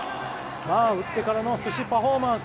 打ってからの寿司パフォーマンス！